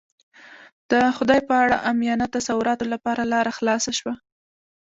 د خدای په اړه عامیانه تصوراتو لپاره لاره خلاصه شوه.